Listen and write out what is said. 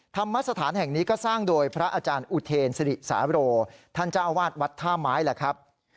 ธรรมสถานแห่งนี้ก็สร้างโดยพระอาจารย์อุเทนสิริสาโรท่านเจ้าอาวาสวัดท่าไม้แหละครับ